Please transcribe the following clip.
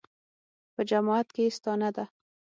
په جماعت کې یې ستانه ده.